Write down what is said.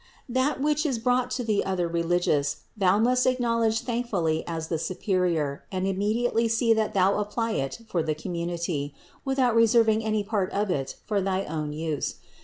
That which is brought to the other religious thou must acknowledge thankfully as the superior and immediately see that thou apply it for the community, without reserving any part of it for thy own use.